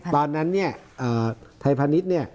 ตอนนั้นเนี่ยอ่าไทพนิษย์เนี่ย